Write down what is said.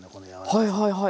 はいはいはい。